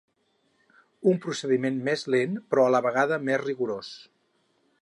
Un procediment més lent, però a la vegada més rigorós.